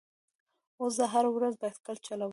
هو، زه هره ورځ بایسکل چلوم